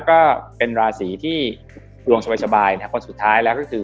ก็เป็นราศีที่ดวงสบายนะครับคนสุดท้ายแล้วก็คือ